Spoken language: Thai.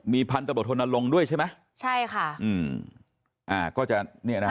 มีพันตำลดโทษศิลป์นารงด้วยใช่ไหมใช่ค่ะอืมอ่าก็จะเนี้ยนะฮะ